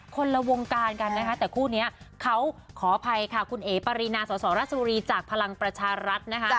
คนละวงการกันนะคะแต่คู่นี้เขาขออภัยค่ะคุณเอ๋ปารีนาสสราชบุรีจากพลังประชารัฐนะคะ